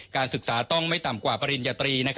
การศึกษาต้องไม่ต่ำกว่าปริญญาตรี